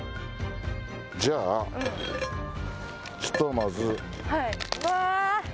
じゃあ、ひとまず。